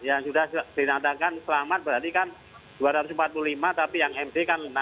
yang sudah dinyatakan selamat berarti kan dua ratus empat puluh lima tapi yang md kan enam puluh